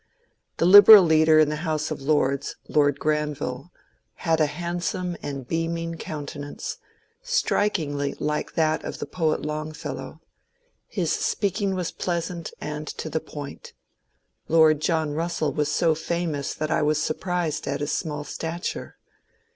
The Liberal leader in the House of Lords, Lord Granville, had a handsome and beaming countenance, strikingly like that of the poet LongfeUow ; his speaking was pleasant and to the point. Lord John Kussell was so famous that I was surprised at his small stature.